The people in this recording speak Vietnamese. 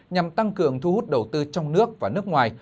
nhằm tăng cường thu hút đầu tư trong nước và nước ngoài